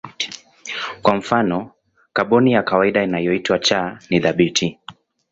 Kwa mfano kaboni ya kawaida inayoitwa C ni thabiti.